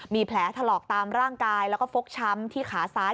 มีแผลถลอกตามร่างกายแล้วก็ฟกช้ำที่ขาซ้าย